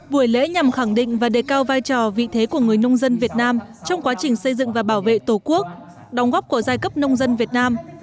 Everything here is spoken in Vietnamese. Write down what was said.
buổi lễ nhằm khẳng định và đề cao vai trò vị thế của người nông dân việt nam trong quá trình xây dựng và bảo vệ tổ quốc đóng góp của giai cấp nông dân việt nam